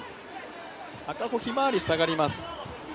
赤穂ひまわり、下がります。